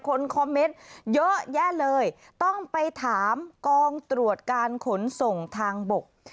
คนคอมเมนต์เยอะแยะเลยต้องไปถามกองตรวจการขนส่งทางบก